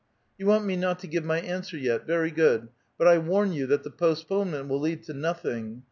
" You want me not to give my answer yet — very good ; but I warn you that the postponement will lead to nothing.